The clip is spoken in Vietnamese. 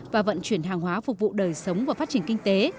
và vận chuyển hàng hóa phục vụ đời sống và phát triển kinh tế